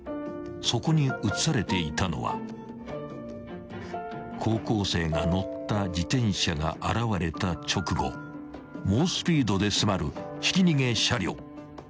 ［そこに写されていたのは高校生が乗った自転車が現れた直後猛スピードで迫るひき逃げ車両］